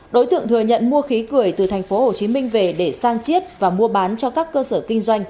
đối tượng thừa nhận mua khí cười từ tp hcm về để sang chiết và mua bán cho các cơ sở kinh doanh